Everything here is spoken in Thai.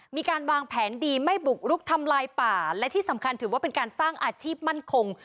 มีการวางแผนดีไม่บุกรุกทำลายป่าและที่สำคัญถือว่าเป็นการสร้างอาชีพมั่นคง